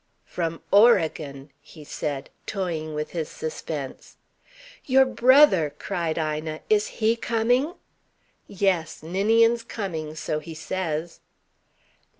"From Oregon," he said, toying with his suspense. "Your brother!" cried Ina. "Is he coming?" "Yes. Ninian's coming, so he says."